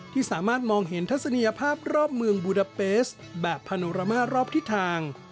ที่สามารถมองเห็นทัศนียภาพรอบเมืองบูดาเปสแบบพาโนรามารอบทิศทาง